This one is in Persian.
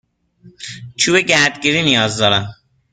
چوب گردگیری نیاز دارم.